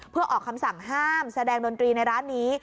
เพื่อออกคำสั่งห้ามแสดงดนตรีในร้านนี้